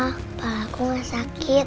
kepala aku gak sakit